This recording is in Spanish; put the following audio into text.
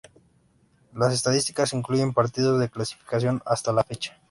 Las estadísticas incluyen partidos de clasificación hasta la fecha.